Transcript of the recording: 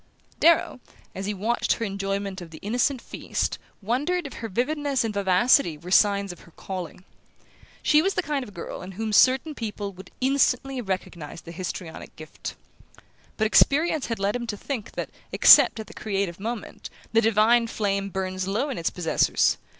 Darrow, as he watched her enjoyment of their innocent feast, wondered if her vividness and vivacity were signs of her calling. She was the kind of girl in whom certain people would instantly have recognized the histrionic gift. But experience had led him to think that, except at the creative moment, the divine flame burns low in its possessors.